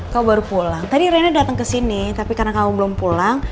kamu baru pulang tadi reina dateng kesini tapi karena kamu belum pulang